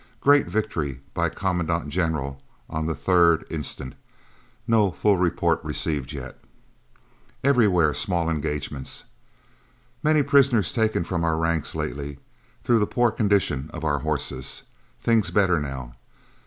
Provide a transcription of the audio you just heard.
Great victory by Commandant General on the 3rd inst. No full report received yet. Everywhere small engagements. Many prisoners taken from our ranks lately, through the poor condition of our horses. Things better now.